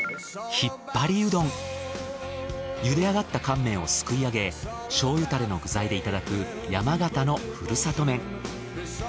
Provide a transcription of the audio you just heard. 茹であがった乾麺をすくいあげ醤油タレの具材でいただく山形のふるさと麺。